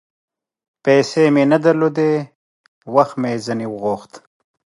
پیسې مې نه درلودې ، وخت مې ځیني وغوښت